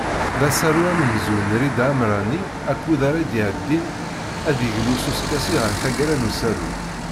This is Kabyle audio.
D asaru amenzu n Rida Amrani akked ara d-iɛeddin, ad d-yeglu s uskasi ɣer tagara n usaru.